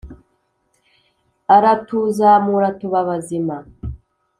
aratuzamura tuba bazima.